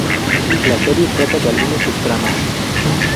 La serie trata de algunos subtramas.